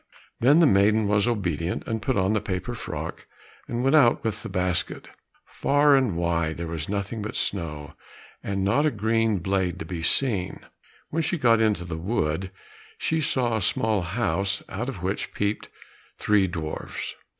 Then the maiden was obedient, and put on the paper frock, and went out with the basket. Far and wide there was nothing but snow, and not a green blade to be seen. When she got into the wood she saw a small house out of which peeped three dwarfs.